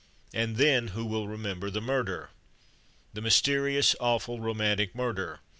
And then who will remember the murder? The mysterious, awful, romantic murder.